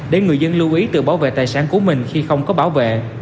để người dân lưu ý tự bảo vệ tài sản của mình khi không có bảo vệ